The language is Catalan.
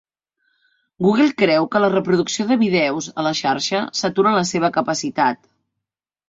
Google creu que la reproducció de vídeos a la xarxa satura la seva capacitat.